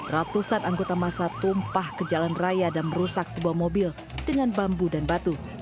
ratusan anggota masa tumpah ke jalan raya dan merusak sebuah mobil dengan bambu dan batu